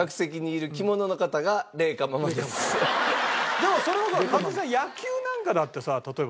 でもそれはさ一茂さん野球なんかだってさ例えば。